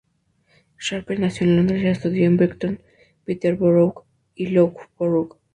Sharpe nació en Londres y estudió en Brighton, Peterborough y Loughborough.